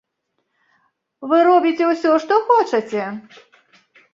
Вы робіце ўсё, што хочаце?